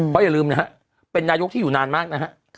เพราะอย่าลืมนะฮะเป็นนายกที่อยู่นานมากนะฮะ